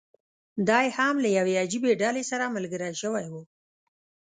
دی هم له یوې عجیبي ډلې سره ملګری شوی و.